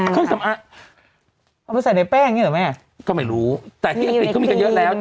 เครื่องสำอางเอาไปใส่ในแป้งอย่างนี้เหรอแม่ก็ไม่รู้แต่ที่อังกฤษเขามีกันเยอะแล้ว